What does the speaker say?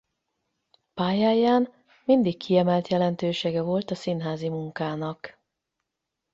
Pályáján mindig kiemelt jelentősége volt a színházi munkának.